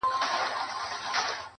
• که انسان چیري تر شا خورجین لیدلای -